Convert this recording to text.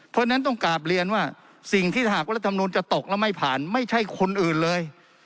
เพราะฉะนั้นต้องกราบเรียนว่าสิ่งที่หากรัฐมนุนจะตกแล้วไม่ผ่านไม่ใช่คนอื่นเลย